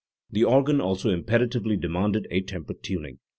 The organ also imperatively demanded a tempered tuning.